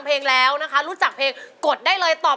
เพลงนี้อยู่ในอาราบัมชุดแรกของคุณแจ็คเลยนะครับ